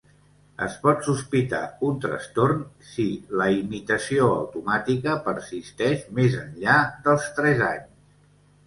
Es pot sospitar un trastorn si la imitació automàtica persisteix més enllà dels tres anys.